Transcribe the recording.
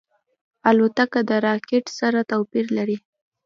الوتکه له راکټ سره توپیر لري.